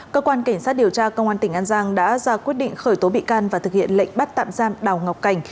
cơ quan cảnh sát điều tra công an tỉnh an giang đã ra quyết định khởi tố bị can và thực hiện lệnh bắt tạm giam đào ngọc cảnh